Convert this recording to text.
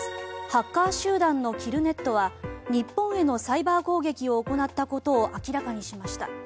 ハッカー集団のキルネットは日本へのサイバー攻撃を行ったことを明らかにしました。